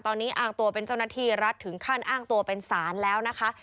ตอนนี้อ้างตัวเป็นเจ้าหน้าที่รัฐถึงขั้นอ้างตัวเป็นศาลแล้วนะคะ